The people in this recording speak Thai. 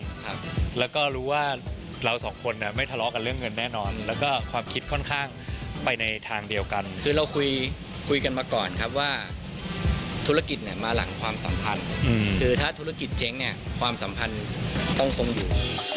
ครับแล้วก็รู้ว่าเราสองคนน่ะไม่ทะเลาะกันเรื่องเงินแน่นอนแล้วก็ความคิดค่อนข้างไปในทางเดียวกันคือเราคุยคุยกันมาก่อนครับว่าธุรกิจเนี่ยมาหลังความสัมพันธ์คือถ้าธุรกิจเจ๊งเนี่ยความสัมพันธ์ต้องคงอยู่